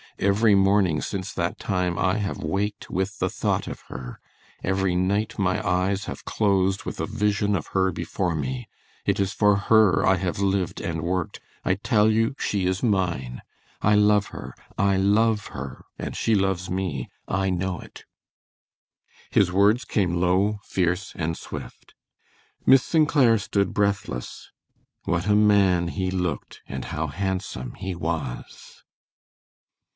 Every morning since that time I have waked with the thought of her; every night my eyes have closed with a vision of her before me. It is for her I have lived and worked. I tell you she is mine! I love her! I love her, and she loves me. I know it." His words came low, fierce, and swift. Miss St. Clair stood breathless. What a man he looked and how handsome he was!